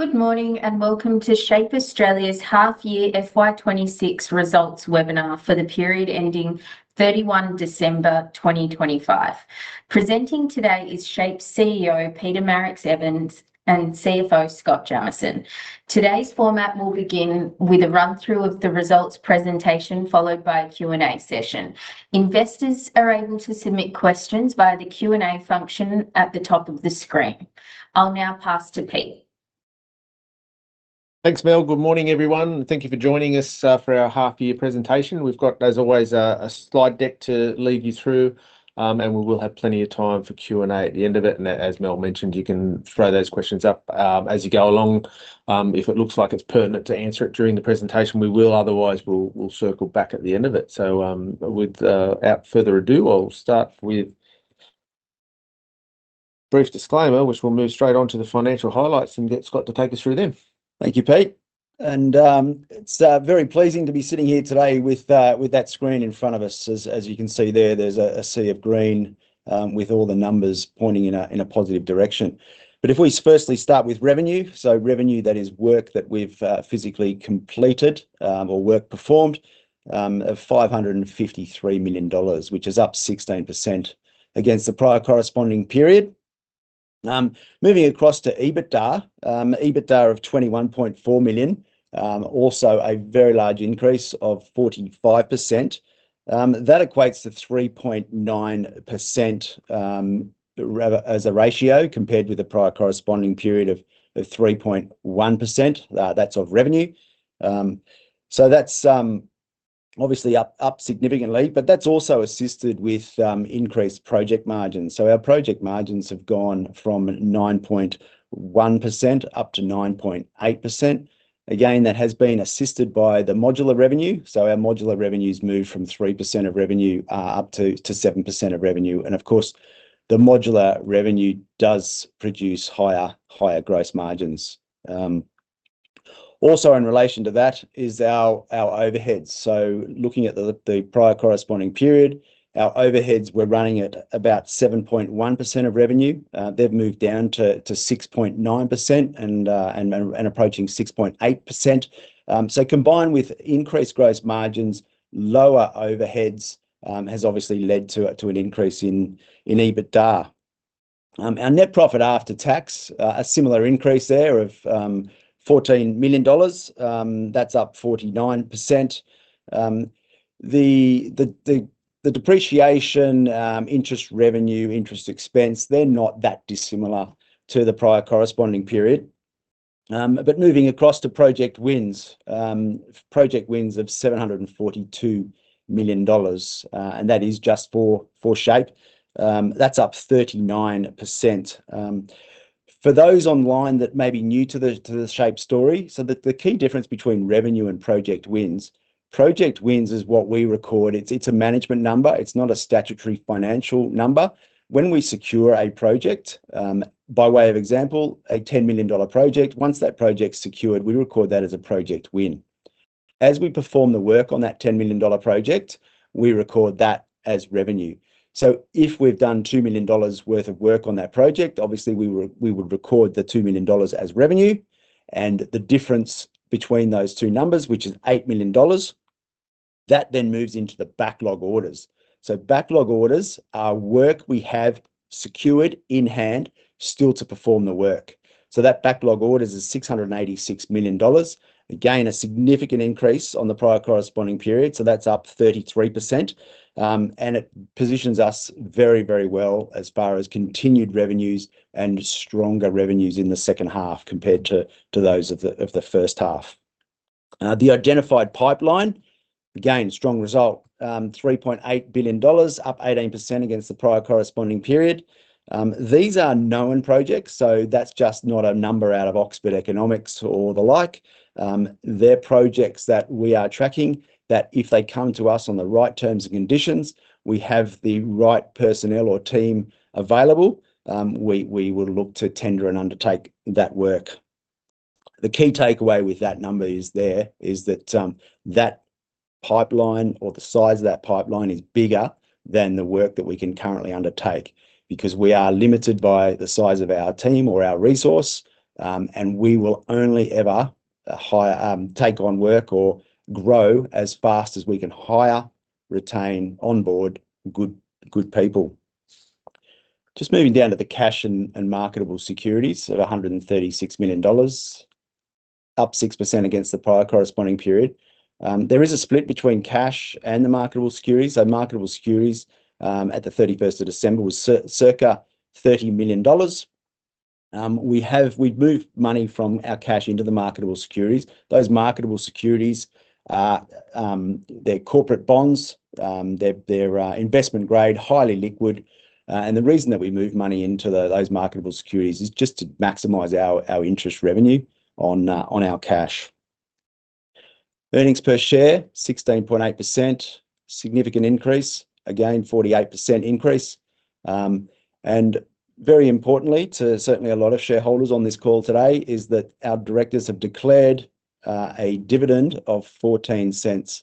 Good morning, and welcome to SHAPE Australia's half-year FY 2026 results webinar for the period ending 31 December 2025. Presenting today is SHAPE's CEO, Peter Marix-Evans, and CFO, Scott Jamieson. Today's format will begin with a run-through of the results presentation, followed by a Q&A session. Investors are able to submit questions via the Q&A function at the top of the screen. I'll now pass to Pete. Thanks, Mel. Good morning, everyone, and thank you for joining us for our half-year presentation. We've got, as always, a slide deck to lead you through, and we will have plenty of time for Q&A at the end of it. And as Mel mentioned, you can throw those questions up as you go along. If it looks like it's pertinent to answer it during the presentation, we will. Otherwise, we'll circle back at the end of it. So, without further ado, I'll start with a brief disclaimer, which we'll move straight on to the financial highlights and get Scott to take us through them. Thank you, Pete. It's very pleasing to be sitting here today with that screen in front of us. As you can see there, there's a sea of green with all the numbers pointing in a positive direction. But if we firstly start with revenue, so revenue, that is work that we've physically completed or work performed of 553 million dollars, which is up 16% against the prior corresponding period. Moving across to EBITDA, EBITDA of 21.4 million, also a very large increase of 45%. That equates to 3.9% as a ratio compared with the prior corresponding period of 3.1%, that's of revenue. So that's obviously up significantly, but that's also assisted with increased project margins. So our project margins have gone from 9.1% up to 9.8%. Again, that has been assisted by the modular revenue, so our modular revenue's moved from 3% of revenue up to 7% of revenue, and of course, the modular revenue does produce higher gross margins. Also in relation to that is our overheads. So looking at the prior corresponding period, our overheads were running at about 7.1% of revenue. They've moved down to 6.9%, and approaching 6.8%. So combined with increased gross margins, lower overheads, has obviously led to an increase in EBITDA. Our net profit after tax, a similar increase there of 14 million dollars, that's up 49%. The depreciation, interest revenue, interest expense, they're not that dissimilar to the prior corresponding period. But moving across to project wins. Project wins of 742 million dollars, and that is just for SHAPE. That's up 39%. For those online that may be new to the SHAPE story, so the key difference between revenue and project wins, project wins is what we record. It's a management number. It's not a statutory financial number. When we secure a project, by way of example, a 10 million dollar project, once that project's secured, we record that as a project win. As we perform the work on that 10 million dollar project, we record that as revenue. So if we've done 2 million dollars worth of work on that project, obviously, we would, we would record the 2 million dollars as revenue, and the difference between those two numbers, which is 8 million dollars, that then moves into the backlog orders. So backlog orders are work we have secured in hand, still to perform the work. So that backlog orders is 686 million dollars. Again, a significant increase on the prior corresponding period, so that's up 33%. And it positions us very, very well as far as continued revenues and stronger revenues in the second half compared to, to those of the, of the first half. The identified pipeline, again, strong result, 3.8 billion dollars, up 18% against the prior corresponding period. These are known projects, so that's just not a number out of Oxford Economics or the like. They're projects that we are tracking, that if they come to us on the right terms and conditions, we have the right personnel or team available, we will look to tender and undertake that work. The key takeaway with that number is that that pipeline or the size of that pipeline is bigger than the work that we can currently undertake, because we are limited by the size of our team or our resource, and we will only ever hire, take on work or grow as fast as we can hire, retain, onboard good people. Just moving down to the cash and marketable securities of 136 million dollars, up 6% against the prior corresponding period. There is a split between cash and the marketable securities. So marketable securities at the 31st of December was circa 30 million dollars. We have. We've moved money from our cash into the marketable securities. Those marketable securities are, they're corporate bonds, they're investment grade, highly liquid, and the reason that we move money into those marketable securities is just to maximize our interest revenue on our cash. Earnings per share, 16.8%. Significant increase, again, 48% increase. And very importantly to certainly a lot of shareholders on this call today, is that our directors have declared a dividend of 0.14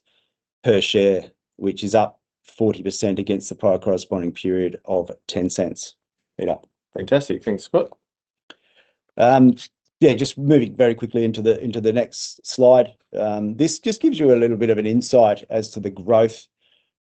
per share, which is up 40% against the prior corresponding period of 0.10. Peter? Fantastic. Thanks, Scott. Yeah, just moving very quickly into the next slide. This just gives you a little bit of an insight as to the growth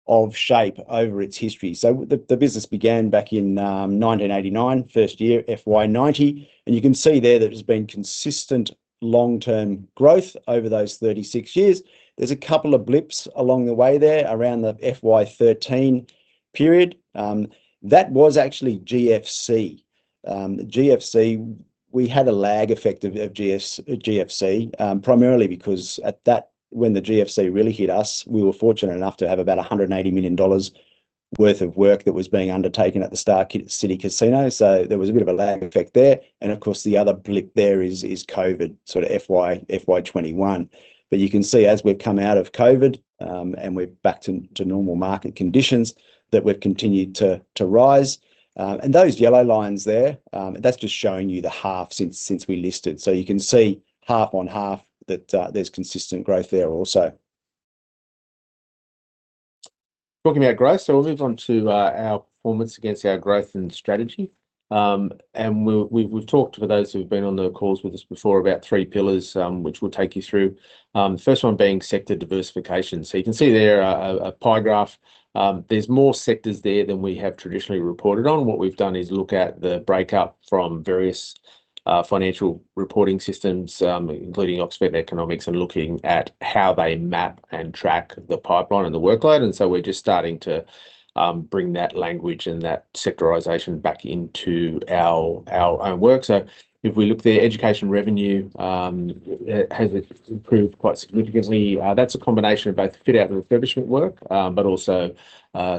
of SHAPE over its history. So the business began back in 1989, first year FY 1990, and you can see there that there's been consistent long-term growth over those 36 years. There's a couple of blips along the way there around the FY 2013 period. That was actually GFC. The GFC, we had a lag effect of GFC, primarily because at that, when the GFC really hit us, we were fortunate enough to have about 180 million dollars worth of work that was being undertaken at the Star City Casino. So there was a bit of a lag effect there, and of course, the other blip there is Covid, sort of FY 2021. But you can see as we've come out of Covid, and we're back to normal market conditions, that we've continued to rise. And those yellow lines there, that's just showing you the half since we listed. So you can see half on half that, there's consistent growth there also. Talking about growth, so we'll move on to our performance against our growth and strategy. And we've talked to those who've been on the calls with us before about three pillars, which we'll take you through. The first one being sector diversification. So you can see there a pie graph. There's more sectors there than we have traditionally reported on. What we've done is look at the breakup from various financial reporting systems, including Oxford Economics, and looking at how they map and track the pipeline and the workload, and so we're just starting to bring that language and that sectorization back into our, our own work. So if we look there, education revenue has improved quite significantly. That's a combination of both fit out and refurbishment work, but also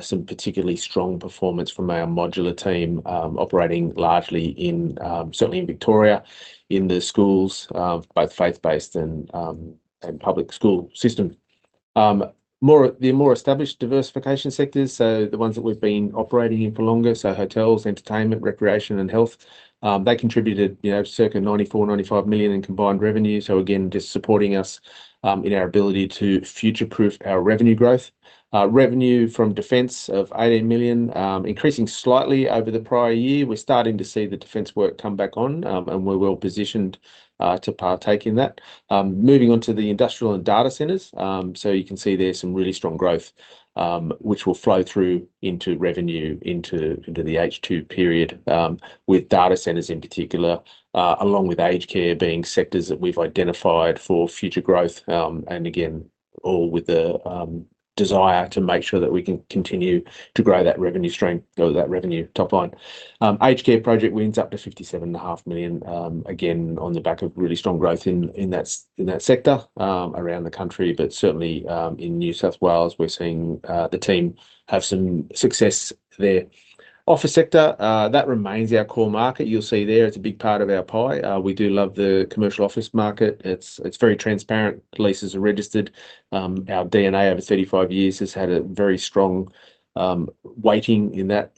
some particularly strong performance from our modular team, operating largely in certainly in Victoria, in the schools, both faith-based and public school system. More, the more established diversification sectors, so the ones that we've been operating in for longer, so hotels, entertainment, recreation, and health, they contributed, you know, circa 94 million-95 million in combined revenue. So again, just supporting us in our ability to future-proof our revenue growth. Revenue from defence of 18 million, increasing slightly over the prior year. We're starting to see the defence work come back on, and we're well positioned to partake in that. Moving on to the industrial and data centres. So you can see there's some really strong growth, which will flow through into revenue, into the H2 period, with data centres in particular, along with aged care being sectors that we've identified for future growth. And again, all with the desire to make sure that we can continue to grow that revenue stream or that revenue top line. Aged care project wins up to 57.5 million, again, on the back of really strong growth in that sector around the country, but certainly in New South Wales, we're seeing the team have some success there. Office sector, that remains our core market. You'll see there, it's a big part of our pie. We do love the commercial office market. It's very transparent. Leases are registered. Our DNA over 35 years has had a very strong weighting in that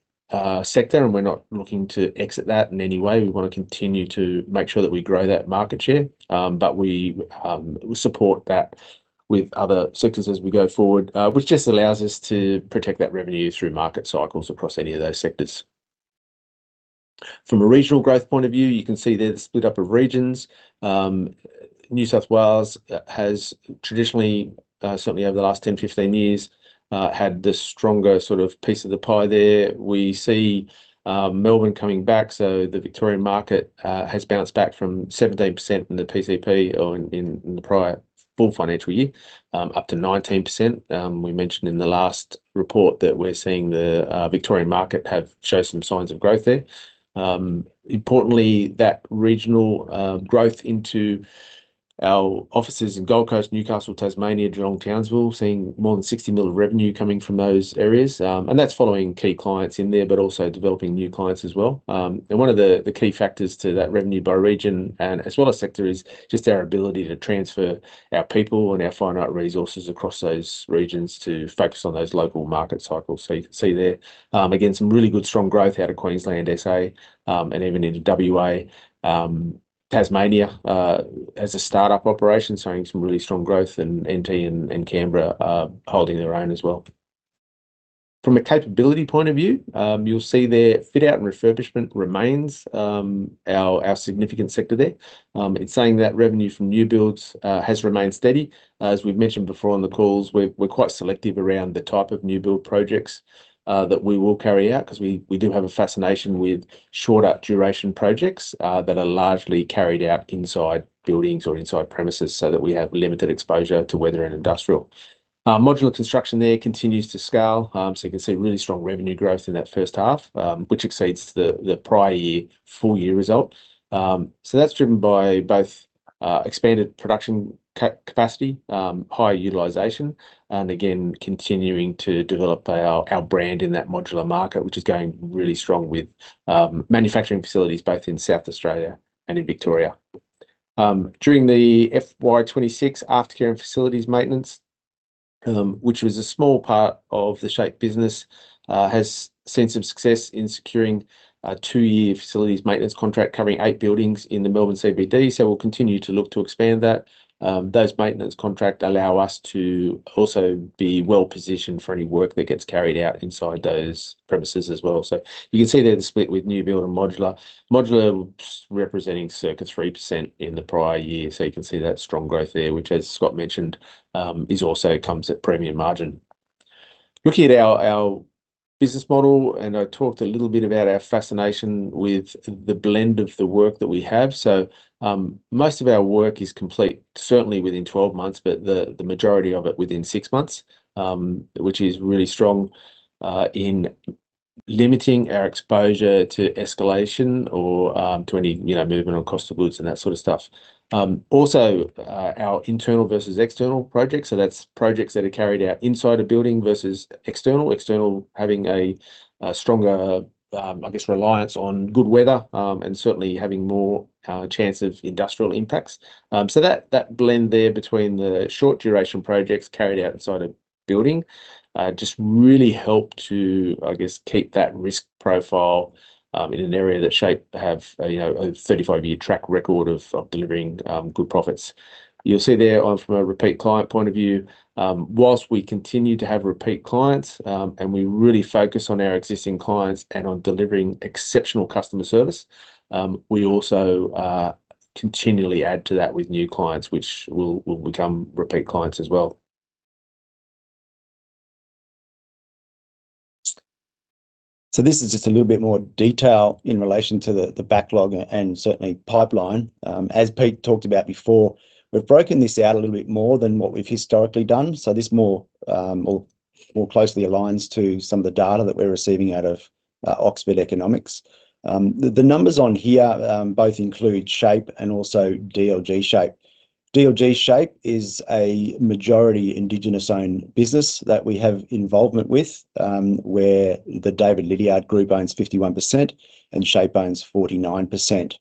sector, and we're not looking to exit that in any way. We want to continue to make sure that we grow that market share, but we support that with other sectors as we go forward, which just allows us to protect that revenue through market cycles across any of those sectors. From a regional growth point of view, you can see the split up of regions. New South Wales has traditionally certainly over the last 10, 15 years had the stronger sort of piece of the pie there. We see Melbourne coming back, so the Victorian market has bounced back from 17% in the PCP or in the prior full financial year up to 19%. We mentioned in the last report that we're seeing the Victorian market have showed some signs of growth there. Importantly, that regional growth into our offices in Gold Coast, Newcastle, Tasmania, Geelong, Townsville, seeing more than 60 million of revenue coming from those areas. And that's following key clients in there, but also developing new clients as well. And one of the, the key factors to that revenue by region and as well as sector, is just our ability to transfer our people and our finite resources across those regions to focus on those local market cycles. So you can see there, again, some really good, strong growth out of Queensland, SA, and even into WA. Tasmania, as a startup operation, showing some really strong growth, and NT and, and Canberra, holding their own as well. From a capability point of view, you'll see there, fit out and refurbishment remains, our, our significant sector there. It's saying that revenue from new builds has remained steady. As we've mentioned before on the calls, we're quite selective around the type of new build projects that we will carry out, 'cause we do have a fascination with shorter duration projects that are largely carried out inside buildings or inside premises, so that we have limited exposure to weather and industrial. Modular construction there continues to scale, so you can see really strong revenue growth in that first half, which exceeds the prior year, full year result. So that's driven by both expanded production capacity, higher utilization, and again, continuing to develop our brand in that modular market, which is going really strong with manufacturing facilities both in South Australia and in Victoria. During the FY 2026 aftercare and facilities maintenance-... Which was a small part of the SHAPE business has seen some success in securing a two-year facilities maintenance contract covering eight buildings in the Melbourne CBD. So we'll continue to look to expand that. Those maintenance contract allow us to also be well-positioned for any work that gets carried out inside those premises as well. So you can see there the split with new build and modular. Modular representing circa 3% in the prior year, so you can see that strong growth there, which, as Scott mentioned, is also comes at premium margin. Looking at our, our business model, and I talked a little bit about our fascination with the blend of the work that we have. So, most of our work is complete, certainly within 12 months, but the majority of it within 6 months, which is really strong in limiting our exposure to escalation or to any, you know, movement on cost of goods and that sort of stuff. Also, our internal versus external projects, so that's projects that are carried out inside a building versus external. External having a stronger, I guess, reliance on good weather and certainly having more chance of industrial impacts. So that blend there between the short duration projects carried out inside a building just really help to, I guess, keep that risk profile in an area that SHAPE have a, you know, a 35-year track record of delivering good profits. You'll see there on from a repeat client point of view, whilst we continue to have repeat clients, and we really focus on our existing clients and on delivering exceptional customer service, we also continually add to that with new clients, which will become repeat clients as well. So this is just a little bit more detail in relation to the backlog and certainly pipeline. As Pete talked about before, we've broken this out a little bit more than what we've historically done. So this more closely aligns to some of the data that we're receiving out of Oxford Economics. The numbers on here both include SHAPE and also DLG SHAPE. DLG SHAPE is a majority Indigenous-owned business that we have involvement with, where the David Liddiard Group owns 51% and SHAPE owns 49%.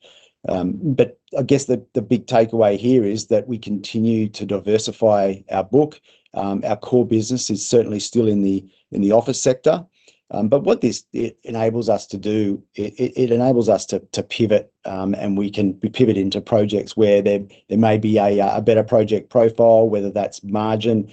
But I guess the big takeaway here is that we continue to diversify our book. Our core business is certainly still in the office sector. But what this enables us to do, it enables us to pivot, and we can pivot into projects where there may be a better project profile, whether that's margin,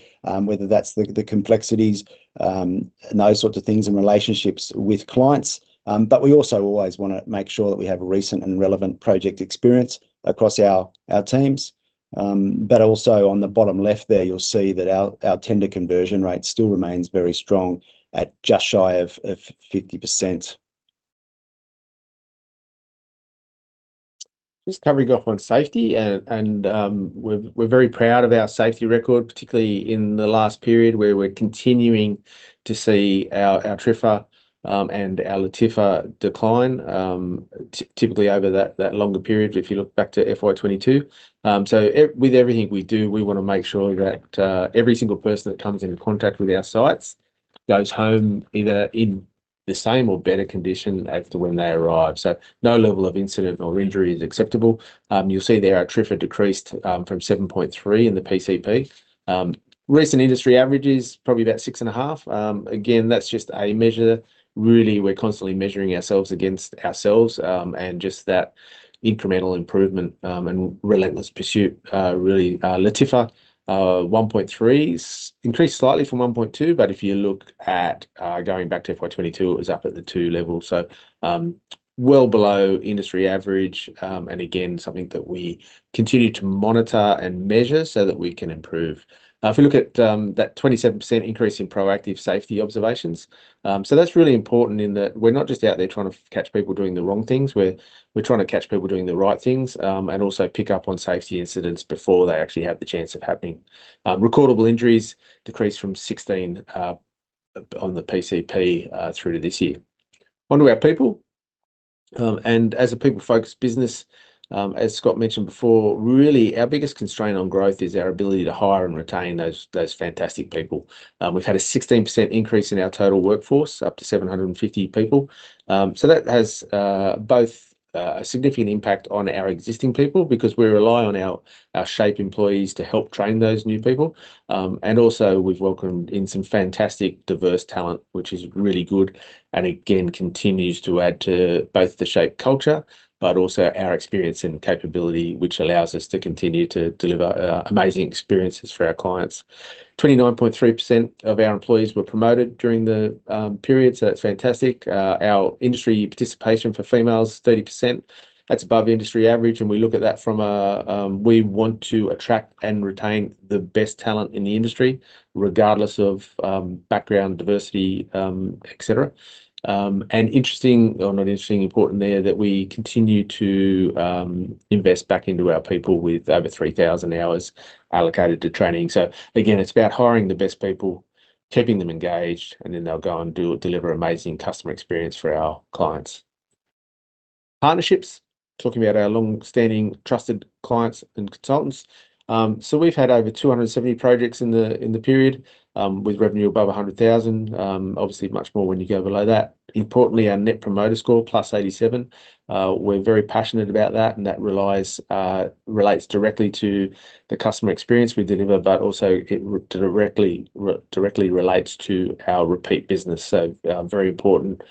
whether that's the complexities, and those sorts of things and relationships with clients. But we also always wanna make sure that we have a recent and relevant project experience across our teams. But also on the bottom left there, you'll see that our tender conversion rate still remains very strong at just shy of 50%. Just covering off on safety, and we're very proud of our safety record, particularly in the last period, where we're continuing to see our TRIFR and our LTIFR decline, typically over that longer period, if you look back to FY 2022. So with everything we do, we wanna make sure that every single person that comes into contact with our sites goes home either in the same or better condition as to when they arrived. So no level of incident or injury is acceptable. You'll see there our TRIFR decreased from 7.3 in the PCP. Recent industry average is probably about 6.5. Again, that's just a measure, really we're constantly measuring ourselves against ourselves, and just that incremental improvement, and relentless pursuit, really, LTIFR 1.3, increased slightly from 1.2, but if you look at, going back to FY 2022, it was up at the 2 level. So, well below industry average, and again, something that we continue to monitor and measure so that we can improve. If you look at, that 27% increase in proactive safety observations, so that's really important in that we're not just out there trying to catch people doing the wrong things, we're, we're trying to catch people doing the right things, and also pick up on safety incidents before they actually have the chance of happening. Recordable injuries decreased from 16 on the PCP through to this year. On to our people, and as a people-focused business, as Scott mentioned before, really our biggest constraint on growth is our ability to hire and retain those, those fantastic people. We've had a 16% increase in our total workforce, up to 750 people. So that has, both, a significant impact on our existing people, because we rely on our, our SHAPE employees to help train those new people. And also we've welcomed in some fantastic, diverse talent, which is really good and again, continues to add to both the SHAPE culture but also our experience and capability, which allows us to continue to deliver, amazing experiences for our clients. 29.3% of our employees were promoted during the period, so that's fantastic. Our industry participation for females, 30%, that's above industry average, and we look at that from a... We want to attract and retain the best talent in the industry, regardless of background, diversity, et cetera. And interesting, or not interesting, important there, that we continue to invest back into our people with over 3,000 hours allocated to training. So again, it's about hiring the best people, keeping them engaged, and then they'll go and deliver amazing customer experience for our clients. Partnerships, talking about our long-standing trusted clients and consultants. So we've had over 270 projects in the period with revenue above 100,000. Obviously, much more when you go below that. Importantly, our Net Promoter Score, +87. We're very passionate about that, and that relates directly to the customer experience we deliver, but also it directly relates to our repeat business. So, very important,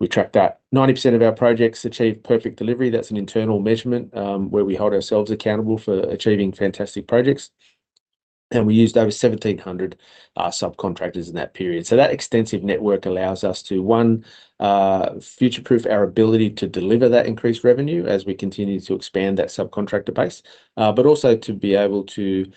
we track that. 90% of our projects achieve perfect delivery. That's an internal measurement, where we hold ourselves accountable for achieving fantastic projects, and we used over 1,700 subcontractors in that period. So that extensive network allows us to future-proof our ability to deliver that increased revenue as we continue to expand that subcontractor base, but also to be able to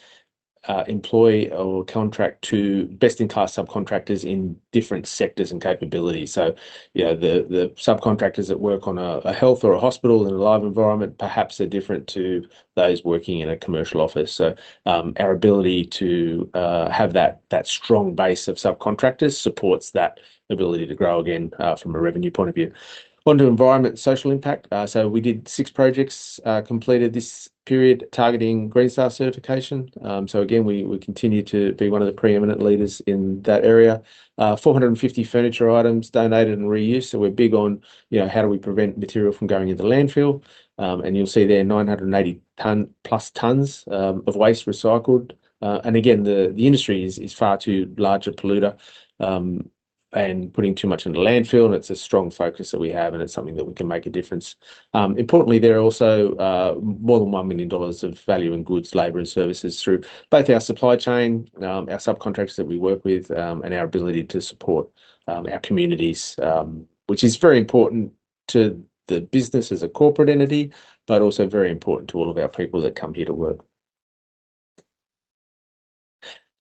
employ or contract to best-in-class subcontractors in different sectors and capabilities. So, you know, the subcontractors that work on a health or a hospital in a live environment, perhaps are different to those working in a commercial office. So, our ability to have that strong base of subcontractors supports that ability to grow again from a revenue point of view. On to environmental social impact. So we did 6 projects completed this period, targeting Green Star certification. So again, we continue to be one of the pre-eminent leaders in that area. 450 furniture items donated and reused. So we're big on, you know, how do we prevent material from going into landfill? And you'll see there 980+ tons of waste recycled. And again, the industry is far too large a polluter and putting too much into landfill, and it's a strong focus that we have, and it's something that we can make a difference. Importantly, there are also more than 1 million dollars of value in goods, labour, and services through both our supply chain, our subcontractors that we work with, and our ability to support our communities, which is very important to the business as a corporate entity, but also very important to all of our people that come here to work.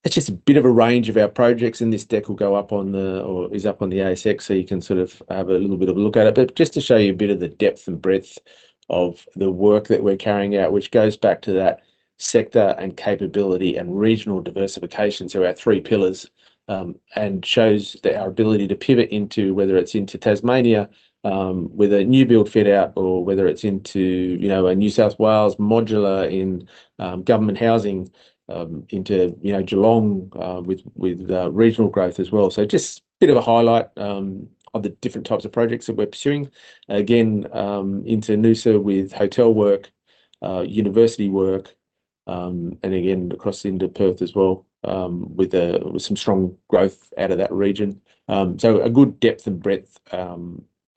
It's just a bit of a range of our projects, and this deck will go up on the... or is up on the ASX, so you can sort of have a little bit of a look at it. But just to show you a bit of the depth and breadth of the work that we're carrying out, which goes back to that sector and capability and regional diversification. So our three pillars and shows that our ability to pivot into whether it's into Tasmania with a new build fit-out or whether it's into, you know, a New South Wales modular in government housing, into, you know, Geelong with regional growth as well. So just a bit of a highlight of the different types of projects that we're pursuing. Again, into Noosa with hotel work, university work, and again, across into Perth as well, with some strong growth out of that region. So a good depth and breadth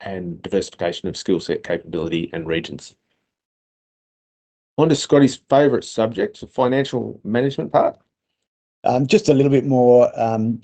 and diversification of skill set, capability, and regions. On to Scotty's favorite subject, financial management part. Just a little bit more on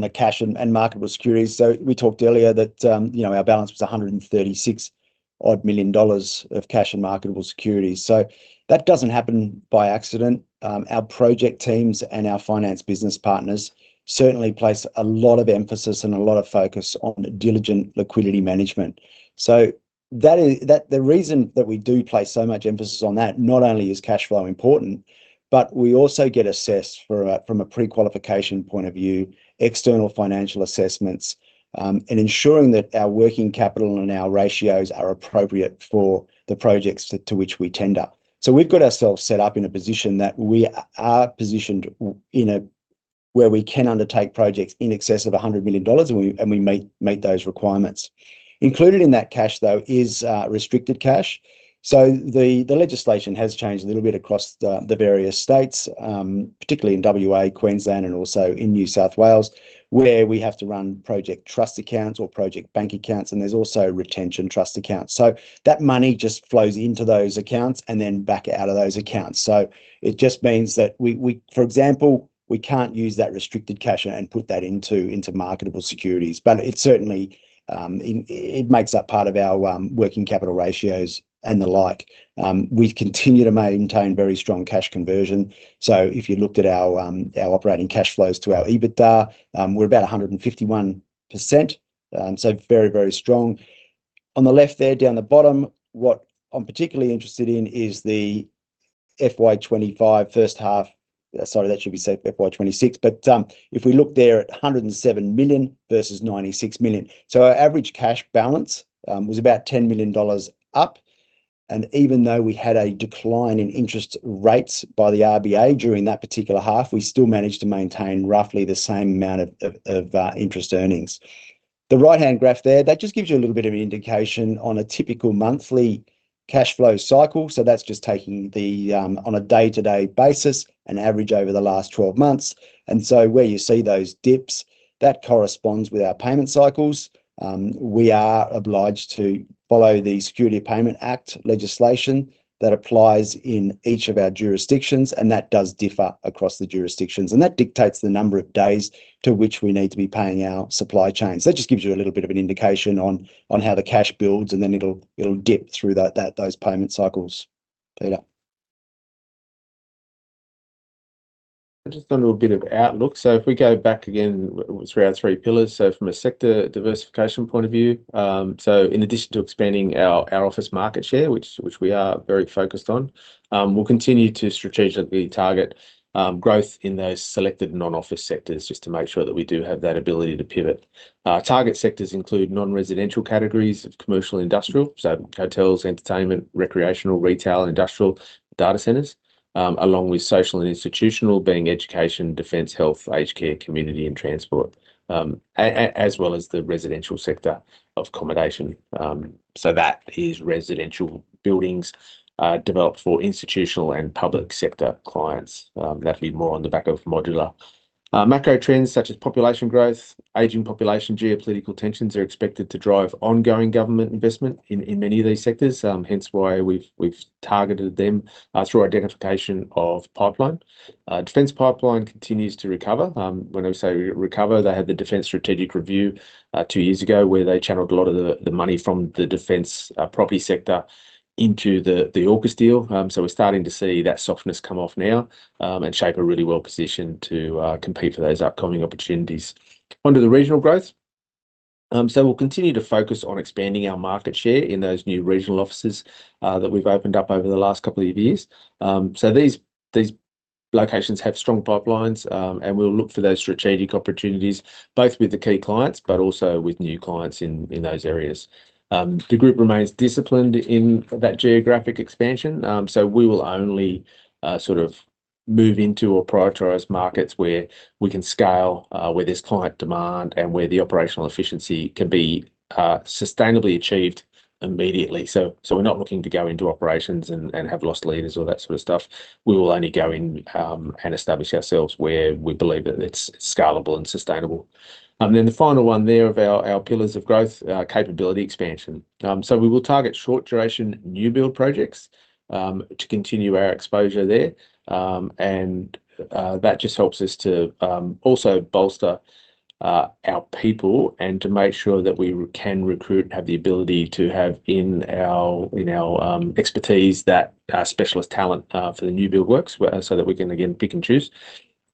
the cash and marketable securities. So we talked earlier that, you know, our balance was 136-odd million dollars of cash and marketable securities. So that doesn't happen by accident. Our project teams and our finance business partners certainly place a lot of emphasis and a lot of focus on diligent liquidity management. So that is, that, the reason that we do place so much emphasis on that, not only is cash flow important, but we also get assessed for a, from a prequalification point of view, external financial assessments, and ensuring that our working capital and our ratios are appropriate for the projects to which we tender. So we've got ourselves set up in a position that we are positioned where we can undertake projects in excess of 100 million dollars, and we meet those requirements. Included in that cash, though, is restricted cash. So the legislation has changed a little bit across the various states, particularly in WA, Queensland, and also in New South Wales, where we have to run project trust accounts or project bank accounts, and there's also retention trust accounts. So that money just flows into those accounts and then back out of those accounts. So it just means that we, for example, we can't use that restricted cash and put that into marketable securities, but it certainly makes up part of our working capital ratios and the like. We continue to maintain very strong cash conversion. So if you looked at our, our operating cash flows to our EBITDA, we're about 151%, so very, very strong. On the left there, down the bottom, what I'm particularly interested in is the FY 2025 first half. Sorry, that should be say FY 2026. But, if we look there at 107 million versus 96 million, so our average cash balance was about 10 million dollars up, and even though we had a decline in interest rates by the RBA during that particular half, we still managed to maintain roughly the same amount of, of, of interest earnings. The right-hand graph there, that just gives you a little bit of an indication on a typical monthly cash flow cycle, so that's just taking the, on a day-to-day basis, an average over the last 12 months. Where you see those dips, that corresponds with our payment cycles. We are obliged to follow the Security of Payment Act legislation that applies in each of our jurisdictions, and that does differ across the jurisdictions, and that dictates the number of days to which we need to be paying our supply chains. That just gives you a little bit of an indication on how the cash builds, and then it'll dip through those payment cycles. Peter? Just a little bit of outlook. So, if we go back again through our three pillars, so from a sector diversification point of view, so in addition to expanding our, our office market share, which, which we are very focused on, we'll continue to strategically target, growth in those selected non-office sectors, just to make sure that we do have that ability to pivot. Our target sectors include non-residential categories of commercial, industrial, so hotels, entertainment, recreational, retail, industrial, data centres, along with social and institutional, being education, defence, health, aged care, community, and transport. As well as the residential sector of accommodation. So that is residential buildings, developed for institutional and public sector clients. That'll be more on the back of modular. Macro trends such as population growth, aging population, geopolitical tensions, are expected to drive ongoing government investment in many of these sectors, hence why we've targeted them through identification of pipeline. Defence pipeline continues to recover. When I say recover, they had the Defence Strategic Review two years ago, where they channeled a lot of the money from the defence property sector into the AUKUS deal. So we're starting to see that softness come off now, and SHAPE are really well positioned to compete for those upcoming opportunities. Onto the regional growth. So we'll continue to focus on expanding our market share in those new regional offices that we've opened up over the last couple of years. So these locations have strong pipelines, and we'll look for those strategic opportunities, both with the key clients, but also with new clients in those areas. The group remains disciplined in that geographic expansion. So we will only sort of move into or prioritize markets where we can scale, where there's client demand, and where the operational efficiency can be sustainably achieved immediately. So we're not looking to go into operations and have loss leaders or that sort of stuff. We will only go in and establish ourselves where we believe that it's scalable and sustainable. And then, the final one there of our pillars of growth, capability expansion. So we will target short-duration, new-build projects, to continue our exposure there. And that just helps us to also bolster our people and to make sure that we can recruit and have the ability to have in our expertise that specialist talent for the new build works, so that we can, again, pick and choose.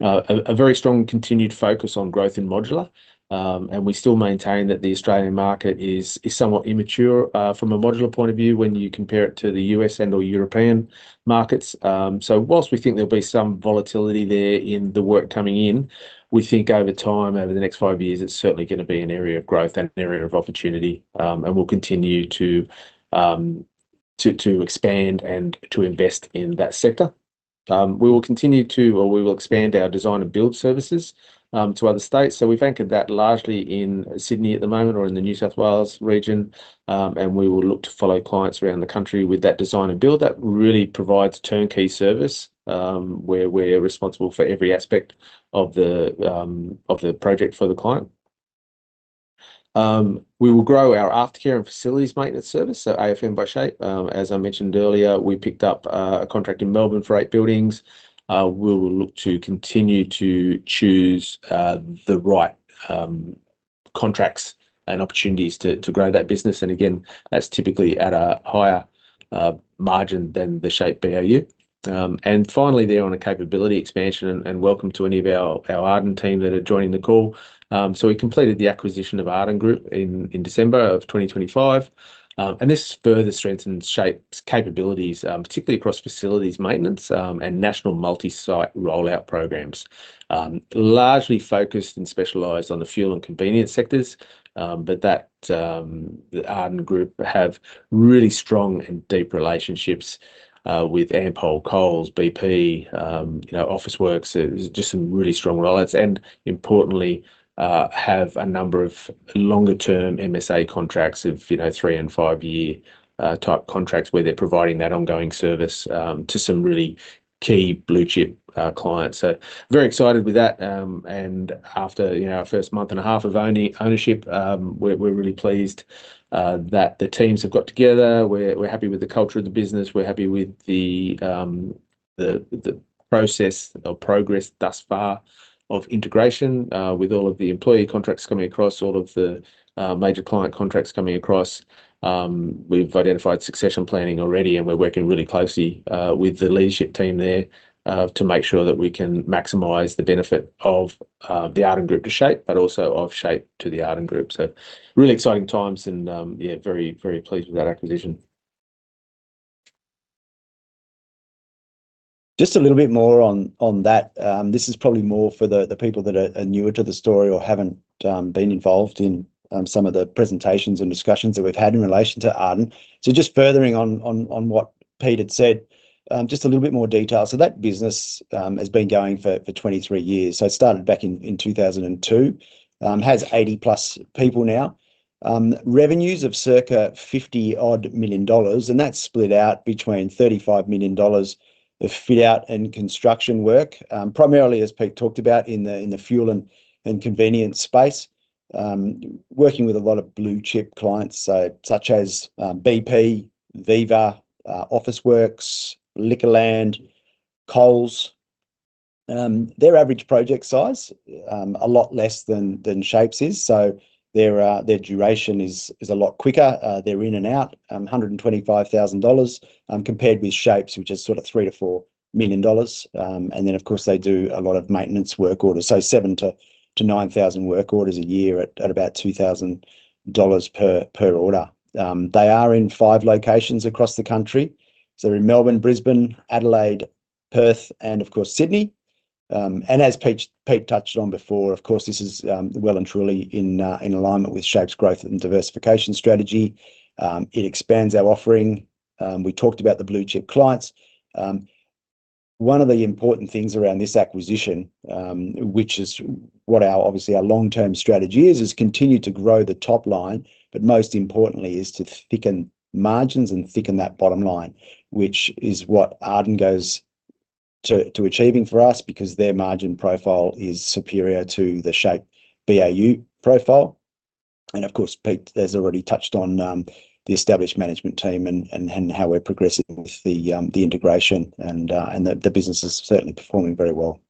A very strong continued focus on growth in modular. We still maintain that the Australian market is somewhat immature from a modular point of view, when you compare it to the U.S. and/or European markets. So while we think there'll be some volatility there in the work coming in, we think over time, over the next five years, it's certainly going to be an area of growth and an area of opportunity. And we'll continue to expand and to invest in that sector. We will expand our design and build services to other states. So we've anchored that largely in Sydney at the moment or in the New South Wales region. We will look to follow clients around the country with that design and build. That really provides turnkey service where we're responsible for every aspect of the project for the client. We will grow our aftercare and facilities maintenance service, so AFM by SHAPE. As I mentioned earlier, we picked up a contract in Melbourne for eight buildings. We will look to continue to choose the right contracts and opportunities to grow that business, and again, that's typically at a higher margin than the SHAPE BAU. And finally, we're on a capability expansion, and welcome to any of our Arden team that are joining the call. So we completed the acquisition of Arden Group in December of 2025, and this further strengthens SHAPE's capabilities, particularly across facilities maintenance, and national multi-site rollout programs. Largely focused and specialized on the fuel and convenience sectors, but the Arden Group have really strong and deep relationships with Ampol, Coles, BP, you know, Officeworks. It's just some really strong relationships and importantly, have a number of longer-term MSA contracts of, you know, 3- and 5-year type contracts, where they're providing that ongoing service to some really key blue-chip clients. So very excited with that. And after, you know, our first month and a half of our ownership, we're really pleased that the teams have got together. We're happy with the culture of the business. We're happy with the process or progress thus far of integration with all of the employee contracts coming across, all of the major client contracts coming across. We've identified succession planning already, and we're working really closely with the leadership team there to make sure that we can maximize the benefit of the Arden Group to SHAPE, but also of SHAPE to the Arden Group. So really exciting times and, yeah, very, very pleased with that acquisition. Just a little bit more on that. This is probably more for the people that are newer to the story or haven't been involved in some of the presentations and discussions that we've had in relation to Arden. So just furthering on what Pete had said, just a little bit more detail. So that business has been going for 23 years. So it started back in 2002. Has 80+ people now. Revenues of circa 50 million dollars, and that's split out between 35 million dollars of fit out and construction work. Primarily, as Pete talked about in the fuel and convenience space, working with a lot of blue-chip clients, such as BP, Viva, Officeworks, Liquorland, Coles. Their average project size a lot less than SHAPE's is, so their duration is a lot quicker. They're in and out, 125,000 dollars, compared with SHAPE's, which is sort of 3 million-4 million dollars. Then, of course, they do a lot of maintenance work orders, so 7,000-9,000 work orders a year at about 2,000 dollars per order. They are in 5 locations across the country, so in Melbourne, Brisbane, Adelaide, Perth, and of course, Sydney. And as Pete touched on before, of course, this is well and truly in alignment with SHAPE's growth and diversification strategy. It expands our offering. We talked about the blue-chip clients. One of the important things around this acquisition, which is what our, obviously, our long-term strategy is, is continue to grow the top line, but most importantly is to thicken margins and thicken that bottom line, which is what Arden goes to, to achieving for us because their margin profile is superior to the SHAPE BAU profile. And of course, Pete has already touched on the established management team and how we're progressing with the integration, and the business is certainly performing very well.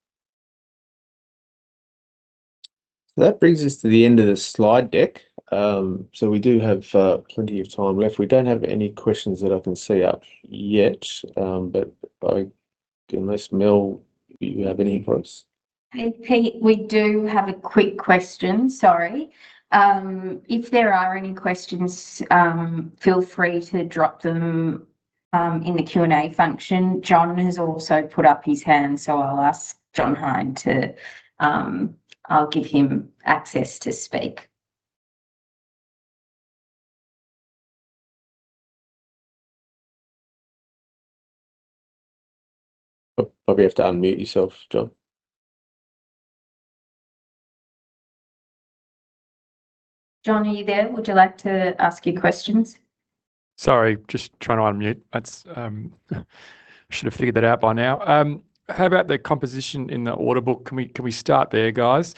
That brings us to the end of the slide deck. So we do have plenty of time left. We don't have any questions that I can see up yet, but I... unless, Mel, you have any for us? Hey, Pete, we do have a quick question, sorry. If there are any questions, feel free to drop them in the Q&A function. John has also put up his hand, so I'll ask John Hynd to, I'll give him access to speak. You'll probably have to unmute yourself, John. John, are you there? Would you like to ask your questions? Sorry, just trying to unmute. That's, I should have figured that out by now. How about the composition in the order book? Can we, can we start there, guys?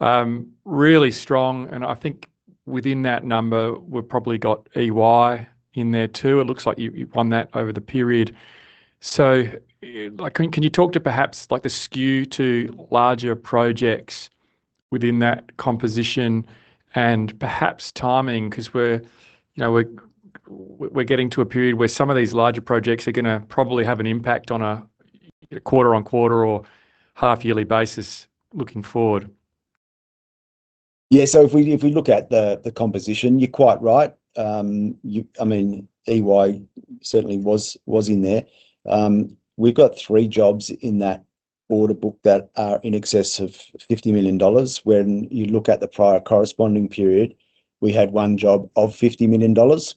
Really strong, and I think within that number, we've probably got EY in there, too. It looks like you, you won that over the period. So, like, can, can you talk to perhaps, like, the skew to larger projects within that composition and perhaps timing? Because we're, you know, we're, we're getting to a period where some of these larger projects are going to probably have an impact on a quarter-on-quarter or half yearly basis looking forward. Yeah. So if we, if we look at the, the composition, you're quite right. You-- I mean, EY certainly was, was in there. We've got three jobs in that order book that are in excess of 50 million dollars. When you look at the prior corresponding period, we had one job of 50 million dollars.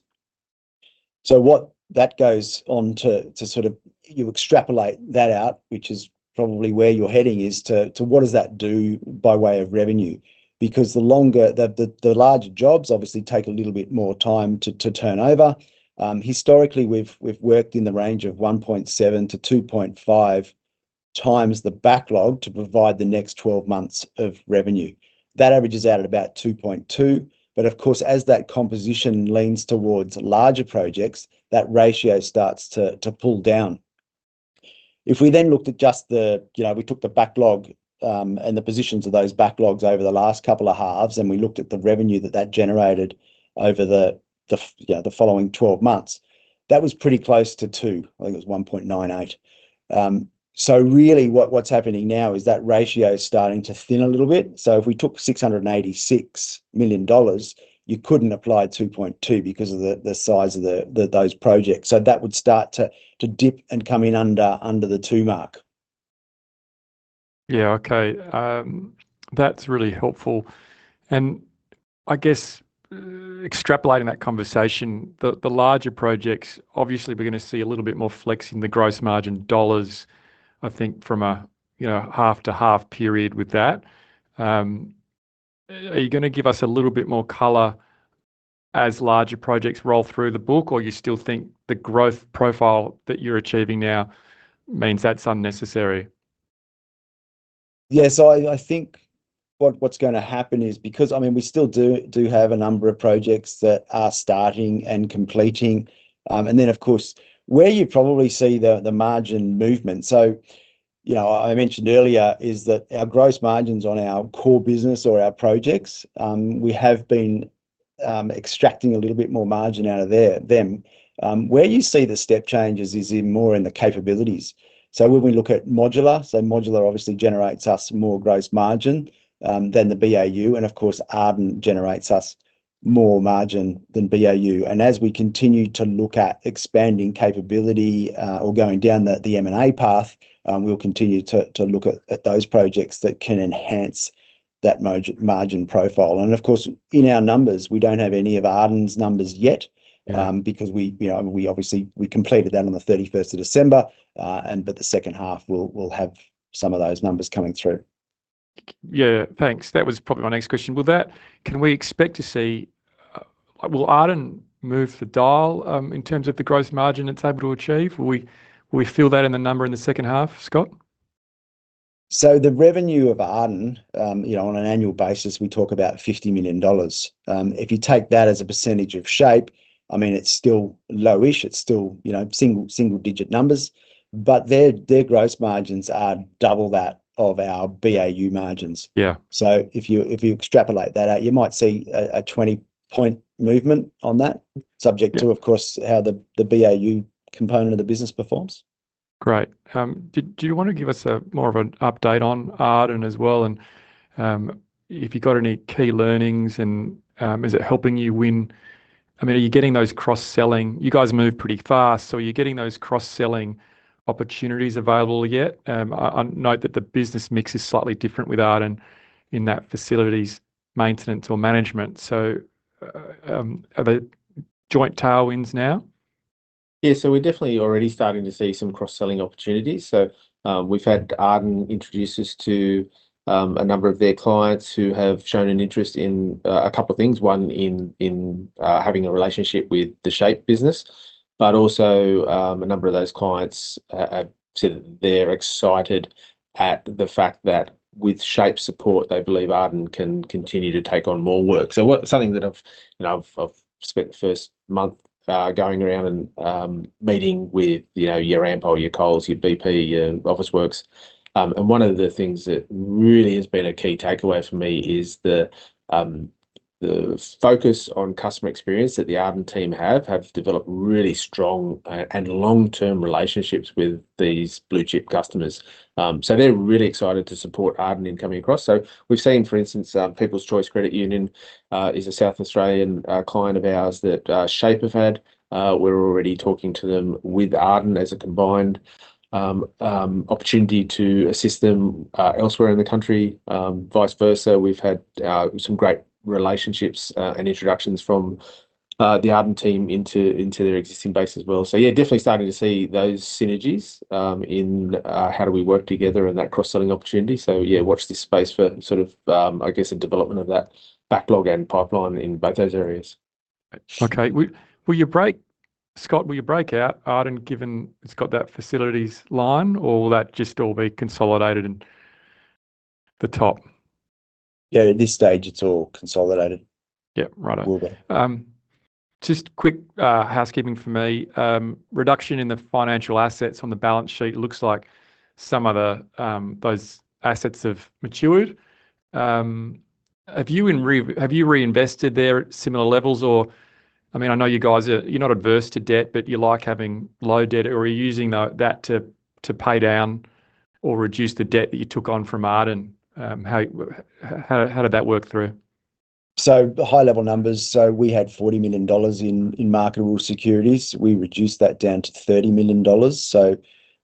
So what that goes on to, to sort of... You extrapolate that out, which is probably where you're heading, is to, to what does that do by way of revenue? Because the longer, the, the, the larger jobs obviously take a little bit more time to, to turn over. Historically, we've, we've worked in the range of 1.7-2.5 times the backlog to provide the next 12 months of revenue. That averages out at about 2.2, but of course, as that composition leans towards larger projects, that ratio starts to pull down. If we then looked at just the, you know, we took the backlog and the positions of those backlogs over the last couple of halves, and we looked at the revenue that that generated over the you know, the following 12 months, that was pretty close to 2, I think it was 1.98. So really, what's happening now is that ratio is starting to thin a little bit. So if we took 686 million dollars, you couldn't apply 2.2 because of the size of those projects. So that would start to dip and come in under the 2 mark. Yeah, okay. That's really helpful. I guess extrapolating that conversation, the larger projects, obviously, we're going to see a little bit more flex in the gross margin dollars, I think from, you know, half to half period with that. Are you going to give us a little bit more color as larger projects roll through the book, or you still think the growth profile that you're achieving now means that's unnecessary? Yes, I think what's going to happen is, because, I mean, we still do have a number of projects that are starting and completing. And then, of course, where you probably see the margin movement, so, you know, I mentioned earlier, is that our gross margins on our core business or our projects, we have been extracting a little bit more margin out of them. Where you see the step changes is more in the capabilities. So when we look at modular, modular obviously generates us more gross margin than the BAU, and of course, Arden generates us more margin than BAU. And as we continue to look at expanding capability, or going down the M&A path, we'll continue to look at those projects that can enhance that margin profile. Of course, in our numbers, we don't have any of Arden's numbers yet because we, you know, we obviously, we completed that on the thirty-first of December, and but the second half, we'll have some of those numbers coming through. Yeah, thanks. That was probably my next question. With that, can we expect to see Will Arden move the dial in terms of the gross margin it's able to achieve? Will we, will we feel that in the number in the second half, Scott? So the revenue of Arden, you know, on an annual basis, we talk about 50 million dollars. If you take that as a percentage of SHAPE, I mean, it's still low-ish. It's still, you know, single, single-digit numbers. But their, their gross margins are double that of our BAU margins. Yeah. So if you extrapolate that out, you might see a 20-point movement on that, subject to, of course, how the BAU component of the business performs. Great. Do you want to give us more of an update on Arden as well? And if you've got any key learnings, and is it helping you win? I mean, are you getting those cross-selling- You guys move pretty fast, so are you getting those cross-selling opportunities available yet? I note that the business mix is slightly different with Arden in that facilities maintenance or management. So, are they joint tailwinds now? Yeah, so we're definitely already starting to see some cross-selling opportunities. So, we've had Arden introduce us to a number of their clients who have shown an interest in a couple of things. One, having a relationship with the SHAPE business, but also, a number of those clients have said they're excited at the fact that with SHAPE's support, they believe Arden can continue to take on more work. So, something that I've, you know, spent the first month going around and meeting with, you know, your Ampol, your Coles, your BP, your Officeworks, and one of the things that really has been a key takeaway for me is the focus on customer experience that the Arden team have developed really strong and long-term relationships with these blue-chip customers. So they're really excited to support Arden in coming across. So we've seen, for instance, People's Choice Credit Union is a South Australian client of ours that SHAPE have had. We're already talking to them with Arden as a combined opportunity to assist them elsewhere in the country. Vice versa, we've had some great relationships and introductions from the Arden team into their existing base as well. So yeah, definitely starting to see those synergies in how do we work together and that cross-selling opportunity. So yeah, watch this space for sort of, I guess, the development of that backlog and pipeline in both those areas. Okay. Will you break out Arden, Scott, given it's got that facilities line, or will that just all be consolidated in the top? Yeah, at this stage, it's all consolidated. Yeah. Right. It will be. Just quick housekeeping for me. Reduction in the financial assets on the balance sheet looks like some of those assets have matured. Have you reinvested there at similar levels? Or, I mean, I know you guys are, you're not adverse to debt, but you like having low debt, or are you using that to pay down or reduce the debt that you took on from Arden? How did that work through? So the high-level numbers, so we had 40 million dollars in marketable securities. We reduced that down to 30 million dollars. So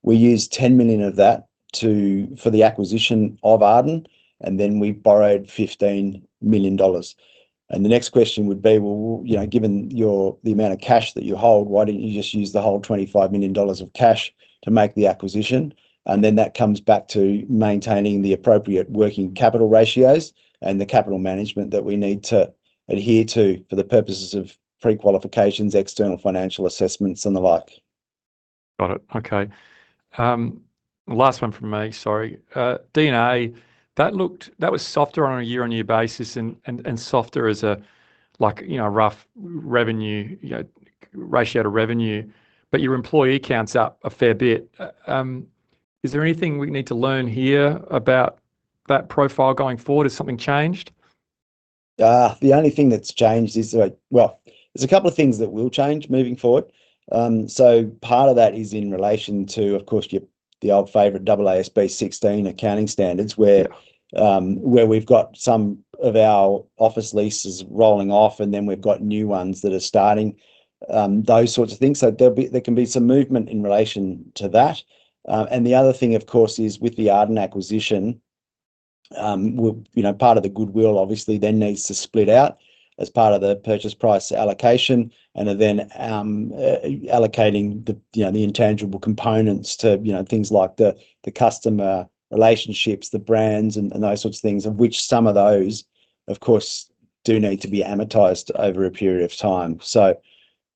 we used 10 million of that for the acquisition of Arden, and then we borrowed 15 million dollars. And the next question would be: well, you know, given the amount of cash that you hold, why didn't you just use the whole 25 million dollars of cash to make the acquisition? And then that comes back to maintaining the appropriate working capital ratios and the capital management that we need to adhere to for the purposes of pre-qualifications, external financial assessments, and the like. Got it. Okay. Last one from me, sorry. D&A, that looked—that was softer on a year-on-year basis and softer as a, like, you know, rough revenue, you know, ratio to revenue, but your employee count's up a fair bit. Is there anything we need to learn here about that profile going forward? Has something changed? The only thing that's changed is that... Well, there's a couple of things that will change moving forward. So part of that is in relation to, of course, your, the old favorite, AASB 16 accounting standards where, where we've got some of our office leases rolling off, and then we've got new ones that are starting, those sorts of things. So there'll be, there can be some movement in relation to that. And the other thing, of course, is with the Arden acquisition, we'll, you know, part of the goodwill obviously then needs to split out as part of the purchase price allocation, and are then, allocating the, you know, the intangible components to, you know, things like the, the customer relationships, the brands, and, and those sorts of things, of which some of those, of course, do need to be amortized over a period of time. So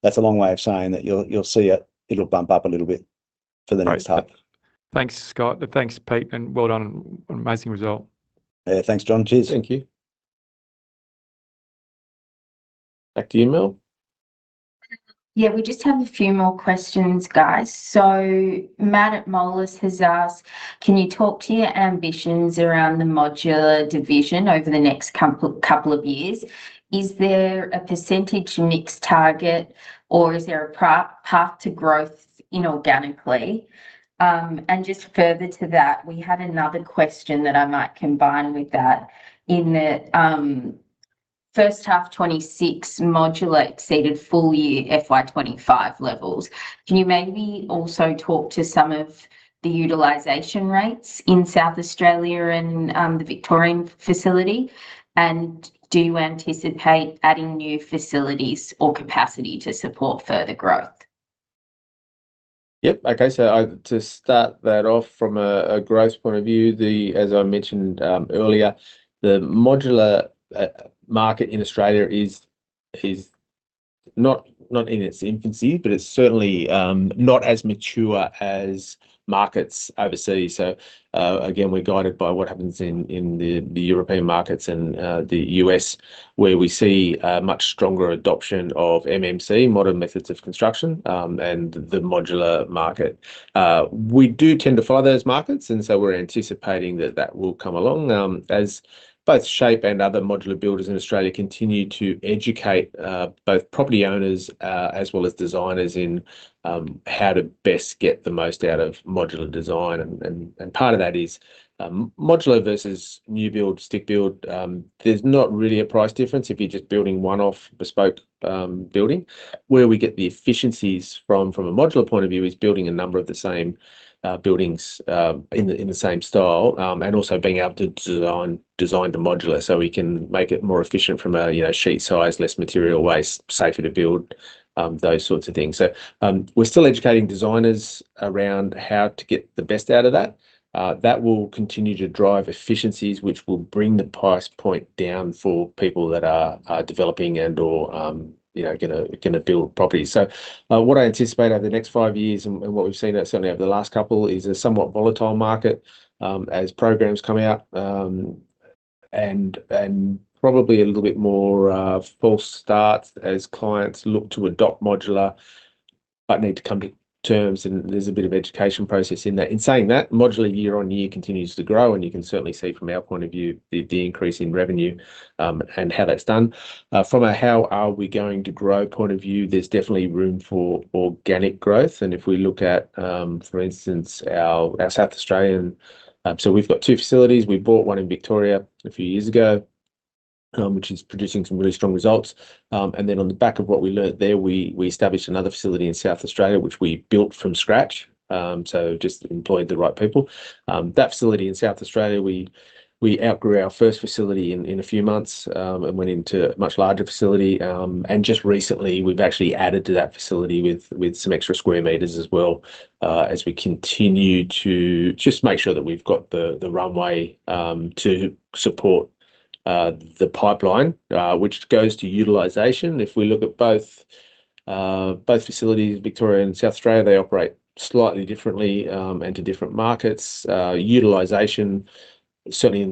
that's a long way of saying that you'll, you'll see it, it'll bump up a little bit for the next half. Thanks, Scott. Thanks, Pete, and well done. Amazing result. Yeah, thanks, John. Cheers. Thank you. Back to you, Mel. Yeah, we just have a few more questions, guys. So Matt at Moelis has asked: Can you talk to your ambitions around the modular division over the next couple, couple of years? Is there a percentage mix target, or is there a path to growth inorganically? And just further to that, we had another question that I might combine with that. In the first half 26, modular exceeded full year FY 25 levels. Can you maybe also talk to some of the utilization rates in South Australia and the Victorian facility? And do you anticipate adding new facilities or capacity to support further growth? Yep. Okay, so to start that off from a growth point of view, as I mentioned earlier, the modular market in Australia is not in its infancy, but it's certainly not as mature as markets overseas. So again, we're guided by what happens in the European markets and the U.S., where we see a much stronger adoption of MMC, modern methods of construction, and the modular market. We do tend to follow those markets, and so we're anticipating that that will come along as both SHAPE and other modular builders in Australia continue to educate both property owners as well as designers in how to best get the most out of modular design. Part of that is modular versus new build, stick build. There's not really a price difference if you're just building one-off bespoke building. Where we get the efficiencies from a modular point of view is building a number of the same buildings in the same style, and also being able to design the modular so we can make it more efficient from a, you know, sheet size, less material waste, safer to build, those sorts of things. So, we're still educating designers around how to get the best out of that. That will continue to drive efficiencies, which will bring the price point down for people that are developing and/or, you know, gonna build properties. So, what I anticipate over the next 5 years and what we've seen certainly over the last couple, is a somewhat volatile market, as programs come out, and probably a little bit more false starts as clients look to adopt modular, but need to come to terms, and there's a bit of education process in that. In saying that, modular year-on-year continues to grow, and you can certainly see from our point of view, the increase in revenue, and how that's done. From a how are we going to grow point of view, there's definitely room for organic growth. And if we look at, for instance, our South Australian... So we've got 2 facilities. We bought one in Victoria a few years ago, which is producing some really strong results. And then on the back of what we learned there, we established another facility in South Australia, which we built from scratch. So just employed the right people. That facility in South Australia, we outgrew our first facility in a few months, and went into a much larger facility. And just recently, we've actually added to that facility with some extra square meters as well, as we continue to just make sure that we've got the runway to support the pipeline, which goes to utilization. If we look at both facilities, Victoria and South Australia, they operate slightly differently and to different markets. Utilization, certainly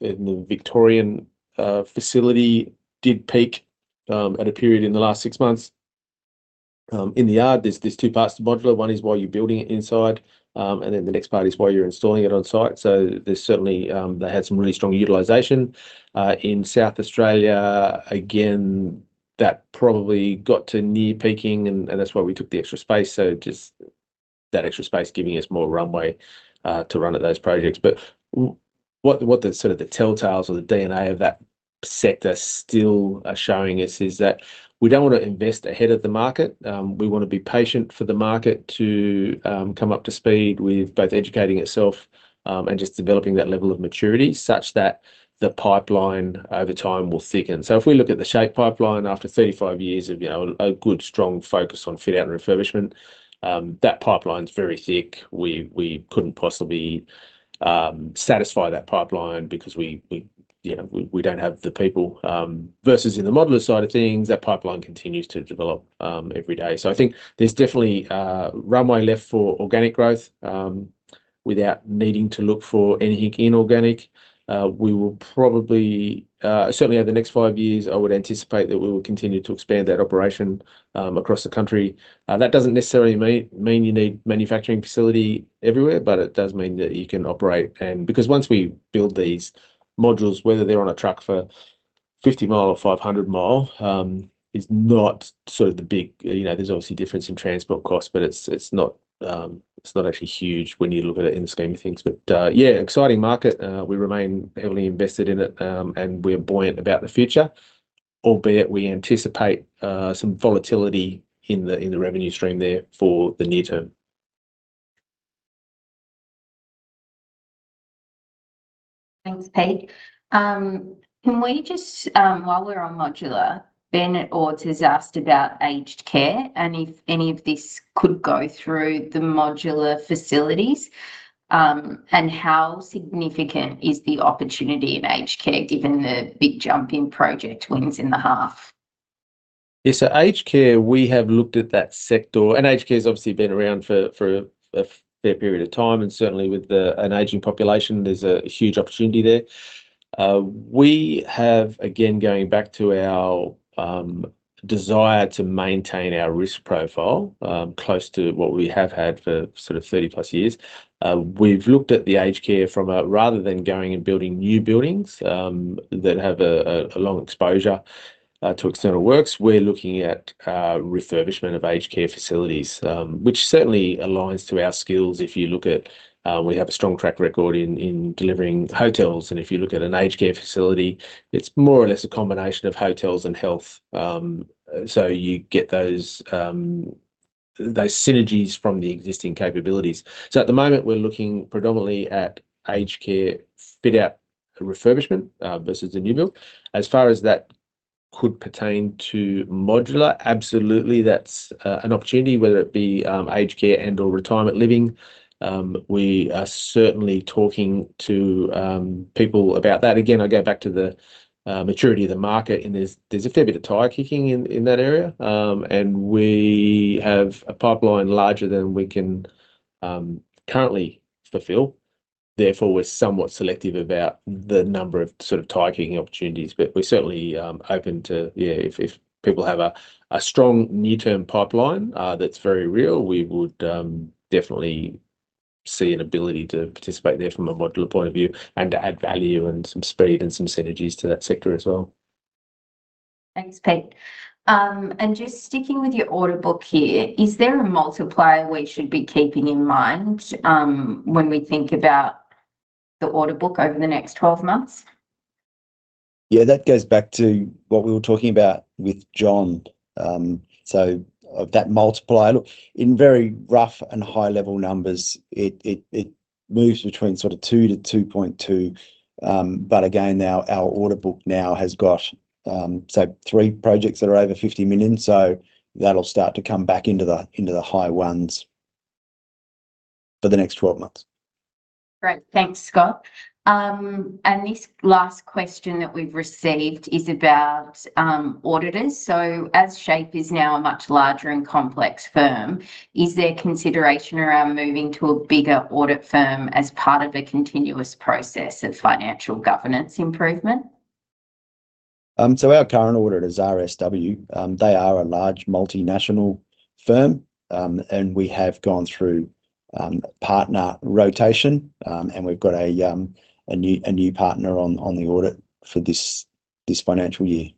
in the Victorian facility, did peak at a period in the last six months. In the yard, there's two parts to modular. One is while you're building it inside, and then the next part is while you're installing it on site. So there's certainly they had some really strong utilization. In South Australia, again, that probably got to near peaking, and that's why we took the extra space. So just that extra space giving us more runway to run at those projects. But what the, sort of, the telltales or the DNA of that sector still are showing us is that we don't want to invest ahead of the market. We want to be patient for the market to come up to speed with both educating itself and just developing that level of maturity, such that the pipeline over time will thicken. So if we look at the SHAPE pipeline, after 35 years of, you know, a good, strong focus on fit-out and refurbishment, that pipeline's very thick. We couldn't possibly satisfy that pipeline because we, you know, we don't have the people. Versus in the modular side of things, that pipeline continues to develop every day. So I think there's definitely runway left for organic growth without needing to look for anything inorganic. We will probably certainly over the next 5 years, I would anticipate that we will continue to expand that operation across the country. That doesn't necessarily mean you need manufacturing facility everywhere, but it does mean that you can operate and... Because once we build these modules, whether they're on a truck for 50-mile or 500-mile, is not sort of the big. You know, there's obviously difference in transport costs, but it's not actually huge when you look at it in the scheme of things. But yeah, exciting market. We remain heavily invested in it, and we're buoyant about the future, albeit we anticipate some volatility in the revenue stream there for the near term. Thanks, Pete. Can we just, while we're on modular, Ben at Ords has asked about aged care, and if any of this could go through the modular facilities, and how significant is the opportunity in aged care, given the big jump in project wins in the half? Yeah, so aged care, we have looked at that sector, and aged care's obviously been around for a fair period of time, and certainly with an aging population, there's a huge opportunity there. We have, again, going back to our desire to maintain our risk profile, close to what we have had for sort of 30-plus years. We've looked at the aged care from a rather than going and building new buildings that have a long exposure to external works, we're looking at refurbishment of aged care facilities, which certainly aligns to our skills. If you look at, we have a strong track record in delivering hotels, and if you look at an aged care facility, it's more or less a combination of hotels and health. So you get those synergies from the existing capabilities. So at the moment, we're looking predominantly at aged care fit-out refurbishment versus the new build. As far as that could pertain to modular? Absolutely, that's an opportunity, whether it be aged care and/or retirement living. We are certainly talking to people about that. Again, I go back to the maturity of the market, and there's a fair bit of tire kicking in that area. And we have a pipeline larger than we can currently fulfill. Therefore, we're somewhat selective about the number of sort of tire kicking opportunities. But we're certainly open to, yeah, if people have a strong near-term pipeline, that's very real, we would definitely see an ability to participate there from a modular point of view, and to add value and some speed and some synergies to that sector as well. Thanks, Pete. And just sticking with your order book here, is there a multiplier we should be keeping in mind, when we think about the order book over the next 12 months? Yeah, that goes back to what we were talking about with John. So of that multiplier, look, in very rough and high-level numbers, it moves between sort of 2-2.2. But again, now, our order book now has got, so 3 projects that are over 50 million, so that'll start to come back into the high ones for the next 12 months. Great. Thanks, Scott. This last question that we've received is about auditors. So as SHAPE is now a much larger and complex firm, is there consideration around moving to a bigger audit firm as part of a continuous process of financial governance improvement? So our current auditor is RSM. They are a large multinational firm, and we have gone through partner rotation, and we've got a new partner on the audit for this financial year.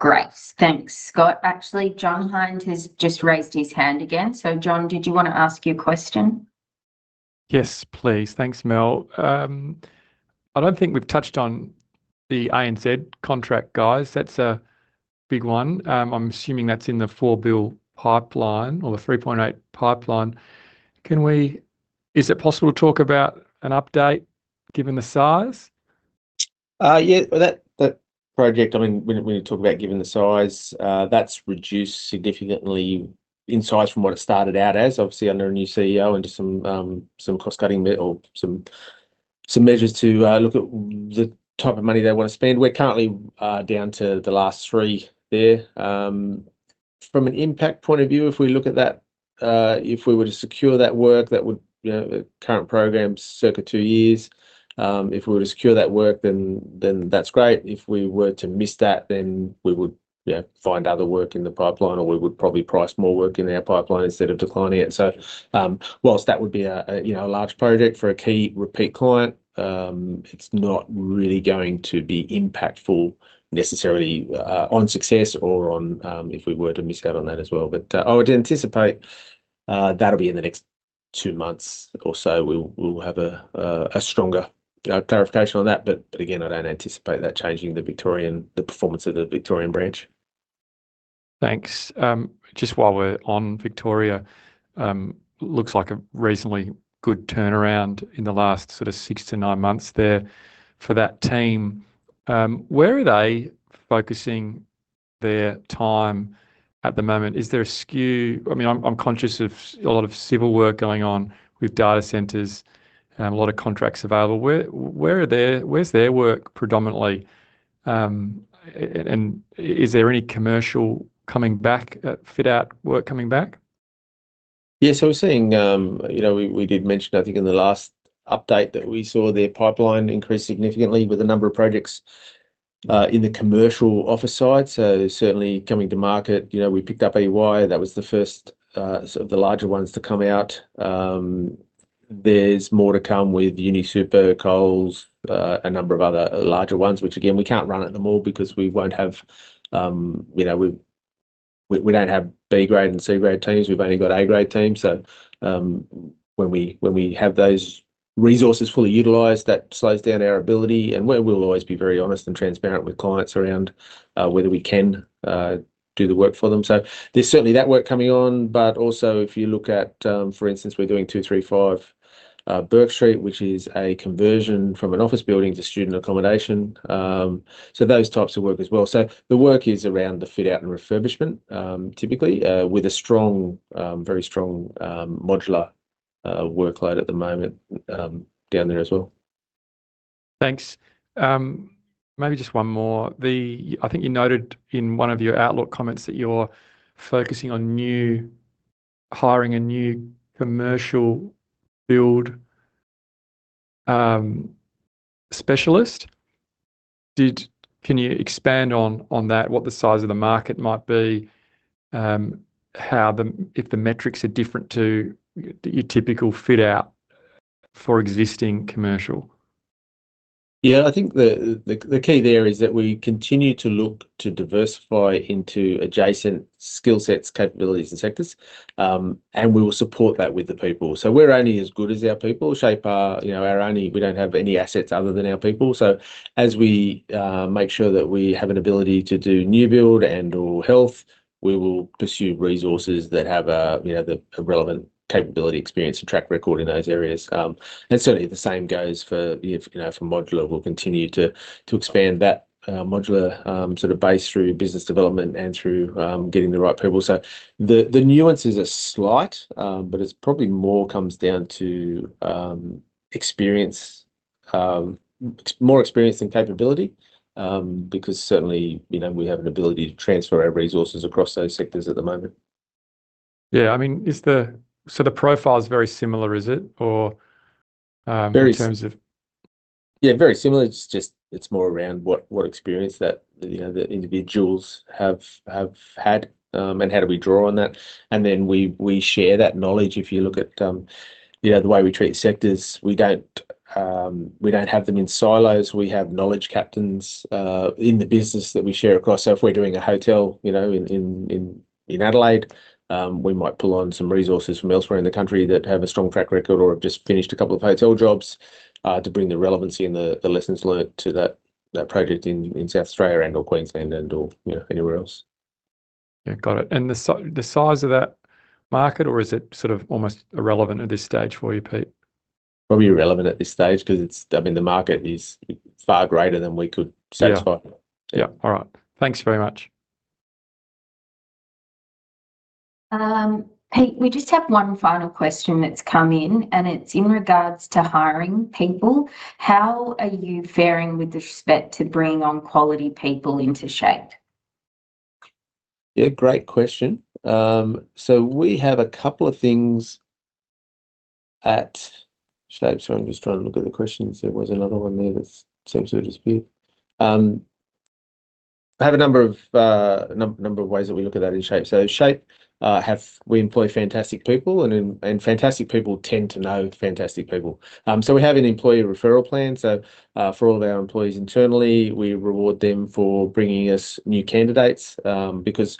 Great. Thanks, Scott. Actually, John Hynd has just raised his hand again. So John, did you want to ask your question? Yes, please. Thanks, Mel. I don't think we've touched on the ANZ contract, guys. That's a big one. I'm assuming that's in the 4 billion pipeline or the 3.8 billion pipeline. Can we? Is it possible to talk about an update given the size? Yeah, that, that project, I mean, when, when you talk about given the size, that's reduced significantly in size from what it started out as, obviously under a new CEO, into some, some cost-cutting or some, some measures to look at the type of money they want to spend. We're currently down to the last 3 there. From an impact point of view, if we look at that, if we were to secure that work, that would, you know, the current program, circa 2 years. If we were to secure that work, then, then that's great. If we were to miss that, then we would, yeah, find other work in the pipeline, or we would probably price more work in our pipeline instead of declining it. So, while that would be, you know, a large project for a key repeat client, it's not really going to be impactful necessarily on success or on if we were to miss out on that as well. But, I would anticipate, that'll be in the next two months or so, we'll have a stronger clarification on that. But again, I don't anticipate that changing the Victorian, the performance of the Victorian branch. Thanks. Just while we're on Victoria, looks like a reasonably good turnaround in the last sort of 6-9 months there for that team. Where are they focusing their time at the moment? Is there a skew...? I mean, I'm conscious of a lot of civil work going on with data centres and a lot of contracts available. Where, where's their work predominantly? And is there any commercial coming back, fit out work coming back? Yeah, so we're seeing, you know, we did mention, I think in the last update, that we saw their pipeline increase significantly with a number of projects in the commercial office side. So certainly coming to market, you know, we picked up EY. That was the first, sort of the larger ones to come out. There's more to come with UniSuper, Coles, a number of other larger ones, which again, we can't run at them all because we won't have, you know, we don't have B-grade and C-grade teams, we've only got A-grade teams. So, when we have those resources fully utilized, that slows down our ability, and we'll always be very honest and transparent with clients around whether we can do the work for them. So there's certainly that work coming on, but also if you look at, for instance, we're doing 235 Bourke Street, which is a conversion from an office building to student accommodation. So those types of work as well. So the work is around the fit out and refurbishment, typically, with a strong, very strong, modular, workload at the moment, down there as well. Thanks. Maybe just one more. I think you noted in one of your outlook comments that you're focusing on hiring a new commercial build specialist. Can you expand on that, what the size of the market might be, how if the metrics are different to your typical fit out for existing commercial? Yeah, I think the key there is that we continue to look to diversify into adjacent skill sets, capabilities, and sectors, and we will support that with the people. So we're only as good as our people. SHAPE are, you know, our only... We don't have any assets other than our people. So as we make sure that we have an ability to do new build and or health, we will pursue resources that have a you know relevant capability, experience, and track record in those areas. And certainly, the same goes for, you know, for modular. We'll continue to expand that modular sort of base through business development and through getting the right people. So the nuances are slight, but it's probably more comes down to experience-... more experience than capability, because certainly, you know, we have an ability to transfer our resources across those sectors at the moment. Yeah, I mean, so the profile is very similar, is it? Or, in terms of- Yeah, very similar. It's just, it's more around what experience that, you know, the individuals have had, and how do we draw on that. And then we share that knowledge. If you look at, you know, the way we treat sectors, we don't have them in silos. We have knowledge captains in the business that we share across. So if we're doing a hotel, you know, in Adelaide, we might pull on some resources from elsewhere in the country that have a strong track record or have just finished a couple of hotel jobs to bring the relevancy and the lessons learned to that project in South Australia and/or Queensland and/or, you know, anywhere else. Yeah, got it. And the size of that market, or is it sort of almost irrelevant at this stage for you, Pete? Probably irrelevant at this stage, 'cause it's, I mean, the market is far greater than we could satisfy. Yeah. Yep. All right. Thanks very much. Pete, we just have one final question that's come in, and it's in regards to hiring people: How are you faring with respect to bringing on quality people into SHAPE? Yeah, great question. So we have a couple of things at SHAPE. So I'm just trying to look at the question, so there was another one there that seems to have disappeared. I have a number of ways that we look at that in SHAPE. So SHAPE, we employ fantastic people, and fantastic people tend to know fantastic people. So we have an employee referral plan. So, for all of our employees internally, we reward them for bringing us new candidates, because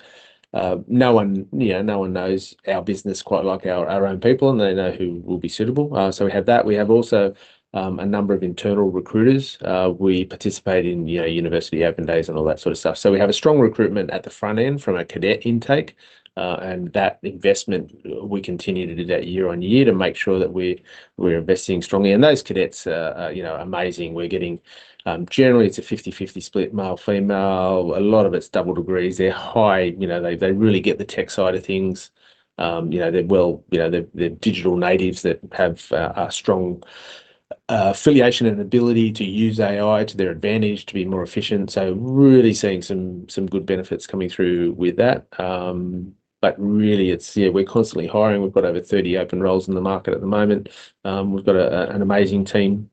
no one, you know, no one knows our business quite like our own people, and they know who will be suitable. So we have that. We have also a number of internal recruiters. We participate in, you know, university open days and all that sort of stuff. So we have a strong recruitment at the front end from a cadet intake, and that investment, we continue to do that year on year to make sure that we're investing strongly. And those cadets are, you know, amazing. We're getting, generally, it's a 50/50 split, male, female. A lot of it's double degrees. You know, they really get the tech side of things. You know, they're digital natives that have a strong affiliation and ability to use AI to their advantage, to be more efficient. So really seeing some good benefits coming through with that. But really, yeah, we're constantly hiring. We've got over 30 open roles in the market at the moment. We've got an amazing team,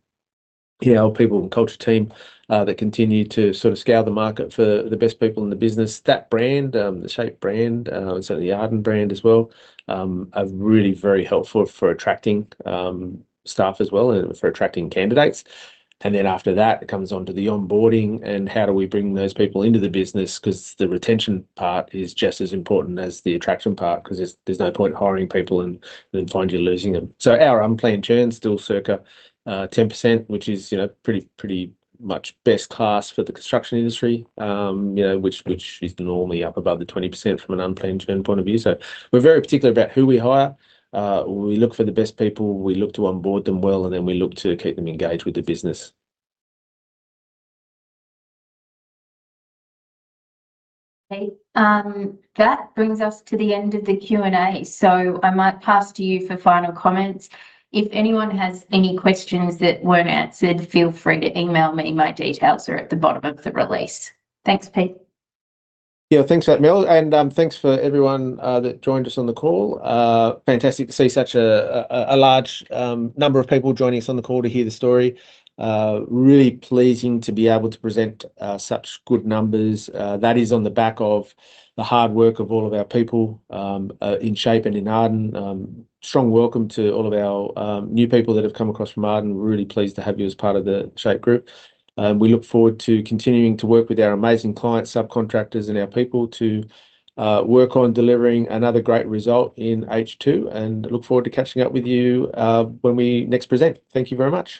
our people and culture team that continue to sort of scour the market for the best people in the business. That brand, the SHAPE brand, and so the Arden brand as well, are really very helpful for attracting staff as well and for attracting candidates. And then after that, it comes onto the onboarding and how do we bring those people into the business, 'cause the retention part is just as important as the attraction part, 'cause there's no point hiring people and then find you're losing them. So our unplanned churn still circa 10%, which is, you know, pretty much best class for the construction industry, you know, which is normally up above the 20% from an unplanned churn point of view. So we're very particular about who we hire. We look for the best people, we look to onboard them well, and then we look to keep them engaged with the business. Okay, that brings us to the end of the Q&A. I might pass to you for final comments. If anyone has any questions that weren't answered, feel free to email me. My details are at the bottom of the release. Thanks, Pete. Yeah, thanks for that, Mel. Thanks for everyone that joined us on the call. Fantastic to see such a large number of people joining us on the call to hear the story. Really pleasing to be able to present such good numbers. That is on the back of the hard work of all of our people in SHAPE and in Arden. Strong welcome to all of our new people that have come across from Arden. We're really pleased to have you as part of the SHAPE Group. We look forward to continuing to work with our amazing client, subcontractors, and our people to work on delivering another great result in H2, and look forward to catching up with you when we next present. Thank you very much.